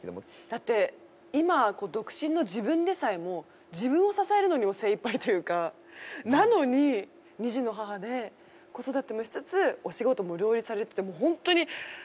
だって今独身の自分でさえも自分を支えるのにも精いっぱいというかなのに２児の母で子育てもしつつお仕事も両立されてて本当に考えられない。